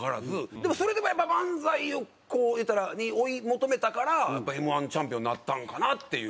でもそれでもやっぱり漫才をいうたら追い求めたからやっぱＭ−１チャンピオンになったんかなっていう。